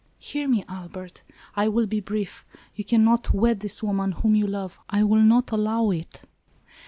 " Hear me, Albert ! I will be brief. You can not wed this woman, whom you love. I will not allow it